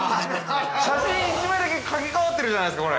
◆写真１枚だけ、掛けかわってるじゃないですか。